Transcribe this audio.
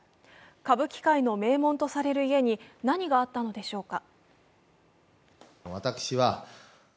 歌舞伎界の名門とされる家に何があったのでしょうか。